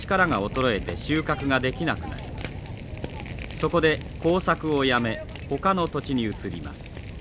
そこで耕作をやめほかの土地に移ります。